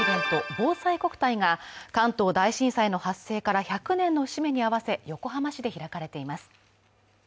ぼうさいこくたいが、関東大震災の発生から１００年の節目に合わせ、横浜市で開かれています。